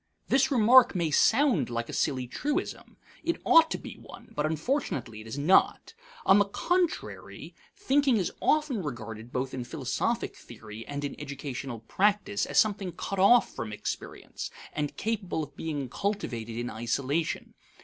This remark may sound like a silly truism. It ought to be one; but unfortunately it is not. On the contrary, thinking is often regarded both in philosophic theory and in educational practice as something cut off from experience, and capable of being cultivated in isolation.